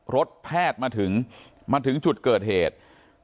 รถแพทย์มาถึงมาถึงจุดเกิดเหตุ